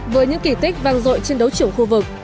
với những kỳ tích vang dội trên đấu trưởng khu vực